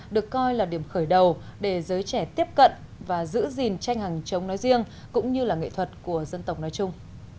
được coi là điểm khởi đầu để giới trẻ tiếp cận và giữ gìn tranh hàng chống nói riêng cũng như là nghệ thuật của dân tộc nói chung